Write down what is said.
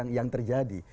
itu yang terjadi